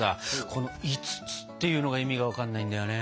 この５つっていうのが意味が分かんないんだよね。